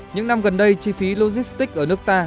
những năm gần đây chi phí logistics ở nước ta